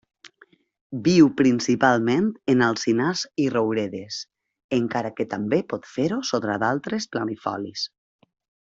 Viu principalment en alzinars i rouredes, encara que també pot fer-ho sota d'altres planifolis.